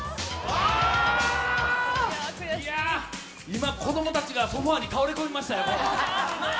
今子供達がソファーに倒れ込みましたよママ！